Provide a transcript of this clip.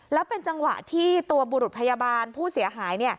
แล้วเป็นจังหวะที่ตัวบุรุษพยาบาลผู้เสียหาย